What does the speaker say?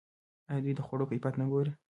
آیا دوی د خوړو کیفیت نه ګوري؟